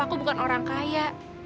aku bukan orang kaya